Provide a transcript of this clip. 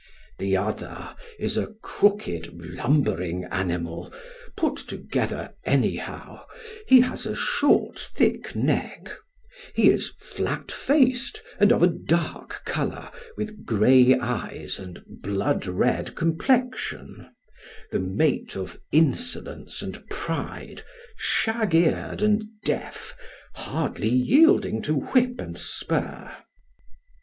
The other is a crooked lumbering animal, put together anyhow; he has a short thick neck; he is flat faced and of a dark colour, with grey eyes and blood red complexion; the mate of insolence and pride, shag eared and deaf, hardly yielding to whip and spur.